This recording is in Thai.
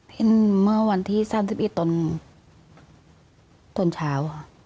เห็นเมื่อวันที่๓๑ตอนเช้าค่ะ